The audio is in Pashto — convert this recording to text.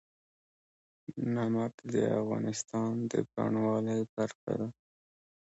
نمک د افغانستان د بڼوالۍ برخه ده.